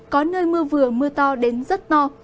có nơi mưa vừa mưa to đến rất to